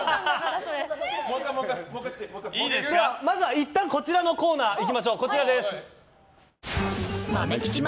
いったんこちらのコーナーいきましょう。